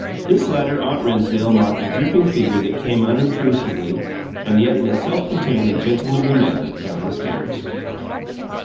This latter aunt Rennsdale marked a dripping figure that came unobtrusively, and yet in a self contained and gentlemanly manner, down the stairs.